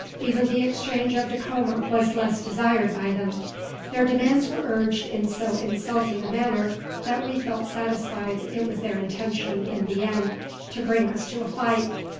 Even the exchange of Dacoma was less desired by them. Their demands were urged in so insulting a manner that we felt satisfied it was their intention, in the end, to bring us to a fight.